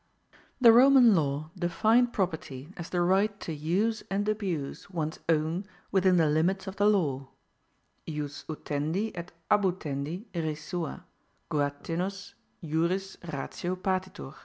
The Roman law defined property as the right to use and abuse one's own within the limits of the law jus utendi et abutendi re sua, quatenus juris ratio patitur.